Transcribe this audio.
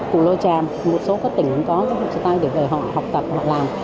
củ lôi tràm một số các tỉnh cũng có homestay để về họ học tập họ làm